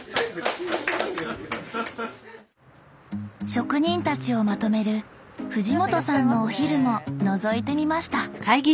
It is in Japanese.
職人たちをまとめる藤本さんのお昼ものぞいてみました！